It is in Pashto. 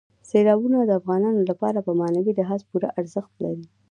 سیلابونه د افغانانو لپاره په معنوي لحاظ پوره ارزښت لري.